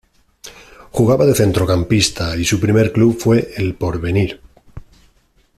Jugaba de centrocampista y su primer club fue El Porvenir.